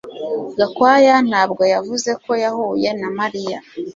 Gakwaya ntabwo yavuze ko yahuye na Mariya